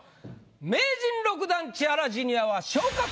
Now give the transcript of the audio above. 名人６段千原ジュニアは。